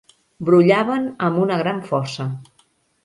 Brollaven amb una gran força.